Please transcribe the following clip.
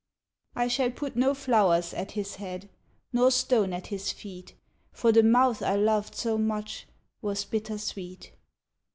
I shall put no flowers at his head, Nor stone at his feet, For the mouth I loved so much Was bittersweet.